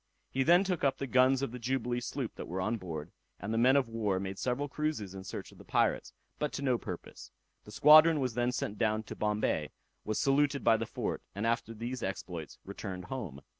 He then took up the guns of the Jubilee sloop that were on board, and the men of war made several cruises in search of the pirates, but to no purpose. The squadron was then sent down to Bombay, was saluted by the fort, and after these exploits returned home.